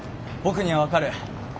僕には分かる。